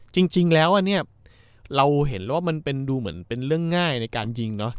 จริงแล้วอันนี้เราเห็นแล้วว่ามันเป็นดูเหมือนเป็นเรื่องง่ายในการยิงเนอะ